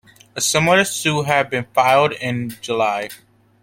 A similar suit had been filed in July.